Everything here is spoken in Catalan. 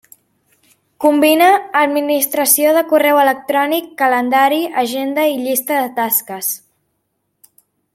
Combina administració de correu electrònic, calendari, agenda i llista de tasques.